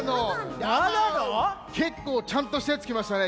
けっこうちゃんとしたやつきましたね